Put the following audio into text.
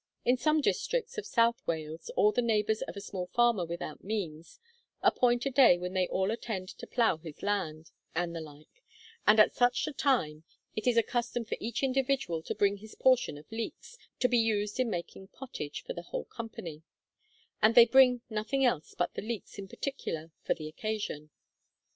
In some districts of South Wales all the neighbours of a small farmer without means appoint a day when they all attend to plough his land, and the like; and at such a time it is a custom for each individual to bring his portion of leeks, to be used in making pottage for the whole company; and they bring nothing else but the leeks in particular for the occasion.'